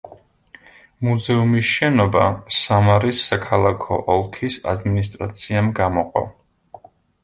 მუზეუმის შენობა სამარის საქალაქო ოლქის ადმინისტრაციამ გამოყო.